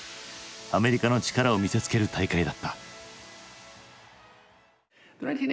アメリカの力を見せつける大会だった。